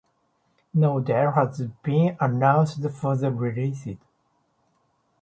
No date has been announced for the release.